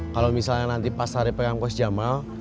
kalau misalnya nanti pas hari pegang bos jamal